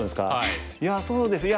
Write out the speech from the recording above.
いやそうですね